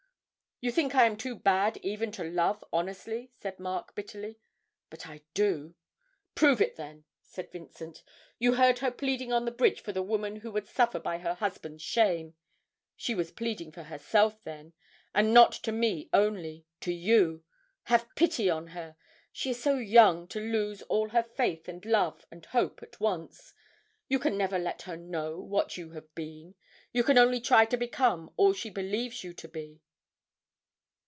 'You think I am too bad even to love honestly,' said Mark, bitterly; 'but I do.' 'Prove it then,' said Vincent. 'You heard her pleading on the bridge for the woman who would suffer by her husband's shame; she was pleading for herself then and not to me only, to you! Have pity on her; she is so young to lose all her faith and love and hope at once. You can never let her know what you have been; you can only try to become all she believes you to be.'